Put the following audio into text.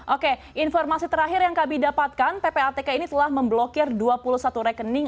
oke informasi terakhir yang kami dapatkan ppatk ini telah memblokir dua puluh satu rekening